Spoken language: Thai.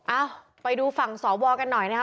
เอ้าไปดูฝั่งสวกันหน่อยนะครับ